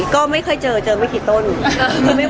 ก็ไม่เคยเจอไม่เคยเห็นเท่าไหร่